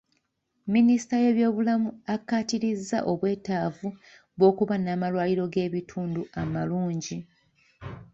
Minisita w'ebyobulamu akkaatirizza obwetaavu bw'okuba n'amalwaliro g'ebitundu amalungi.